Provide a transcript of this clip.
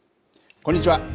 こんにちは。